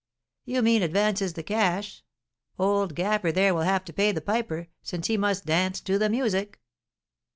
"You mean, advances the cash. Old Gaffer there will have to pay the piper, since he must dance to the music."